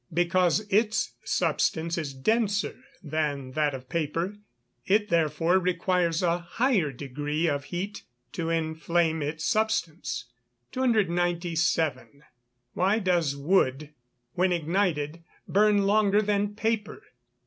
_ Because its substance is denser than that of paper; it therefore requires a higher degree of heat to inflame its substance. 297. _Why does wood, when ignited, burn longer than paper?